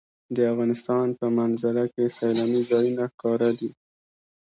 د افغانستان په منظره کې سیلاني ځایونه ښکاره دي.